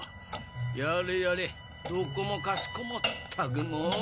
やれやれどこもかしこもまったくもう。